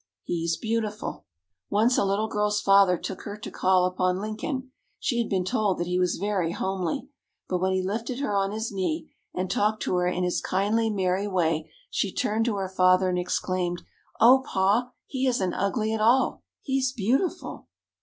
He's Beautiful! Once a little girl's father took her to call upon Lincoln. She had been told that he was very homely. But when he lifted her on his knee and talked to her in his kindly, merry way, she turned to her father, and exclaimed: "O Pa! He isn't ugly at all! He's beautiful!"